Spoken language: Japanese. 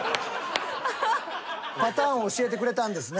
パターンを教えてくれたんですね。